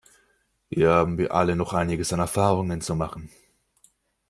Hier haben wir alle noch einiges an Erfahrungen zu machen.